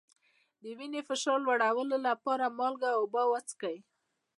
د وینې فشار لوړولو لپاره مالګه او اوبه وڅښئ